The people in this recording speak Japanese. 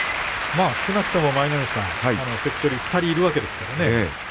少なくとも関取２人いるわけですからね。